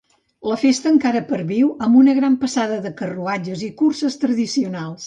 La festa encara perviu, amb una gran passada de carruatges i curses tradicionals.